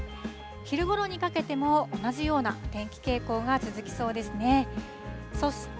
昼ごろにかけても、同じような天気傾向が続きそうですね。